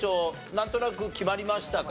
なんとなく決まりましたか？